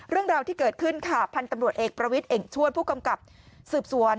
เรื่องราวที่เกิดขึ้นค่ะพันธุ์ตำรวจเอกประวิทย์เอกชวดผู้กำกับสืบสวน